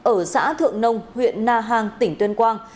ở xã thượng nông huyện na hàng tỉnh tuyên quang